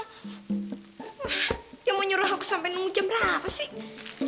dia mau nyuruh aku sampai nunggu jam berapa sih